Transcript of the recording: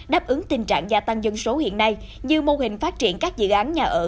đáp ứng tình trạng gia tăng dân số hiện nay như mô hình phát triển các dự án nhà ở